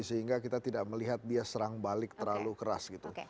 sehingga kita tidak melihat dia serang balik terlalu keras gitu